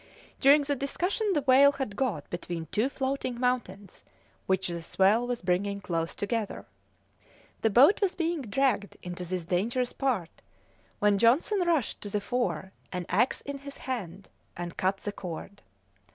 During the discussion the whale had got between two floating mountains which the swell was bringing close together. The boat was being dragged into this dangerous part when Johnson rushed to the fore, an axe in his hand, and cut the cord.